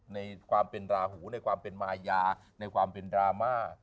ในความเป็นราหูในความเป็นมายาในความเป็นดราม่า